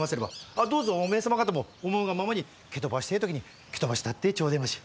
あっどうぞおめえ様方も思うがままに蹴飛ばしてえ時に蹴飛ばしたってちょでまし！